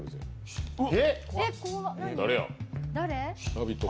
「ラヴィット！」